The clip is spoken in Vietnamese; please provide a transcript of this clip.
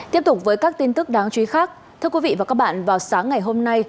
tiếp tục với các tin tức đáng chú ý khác thưa quý vị và các bạn vào sáng ngày hôm nay